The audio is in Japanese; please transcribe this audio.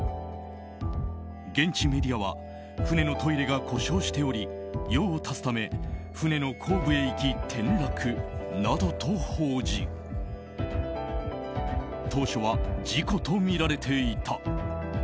現地メディアは船のトイレが故障しており用を足すため船の後部へ行き転落などと報じ当初は事故とみられていた。